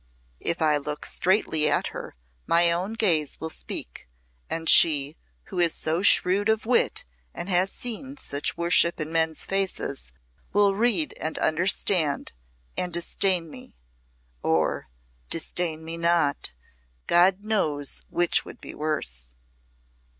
"If I look straightly at her my own gaze will speak, and she, who is so shrewd of wit and has seen such worship in men's faces, will read and understand, and disdain me, or disdain me not. God knows which would be worse."